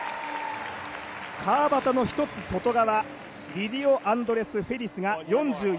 川端の１つ外側、リディオ・アンドレス・フェリス